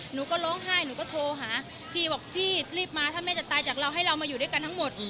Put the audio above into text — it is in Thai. หนูก็ร้องไห้หนูก็โทรหาพี่บอกพี่รีบมาถ้าแม่จะตายจากเราให้เรามาอยู่ด้วยกันทั้งหมด